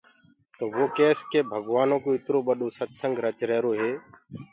تو وو ڪيس ڪي ڀگوآنو ڪو اِترو ٻڏو ستسنگ رچ رهيرو هي۔